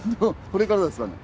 これからですかね？